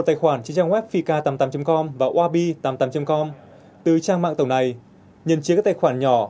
tài khoản trên trang web fika tám mươi tám com và orbi tám mươi tám com từ trang mạng tổng này nhận chiếc các tài khoản nhỏ